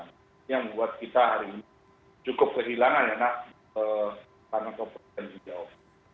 ini yang membuat kita hari ini cukup kehilangan karena keperluan yang jauh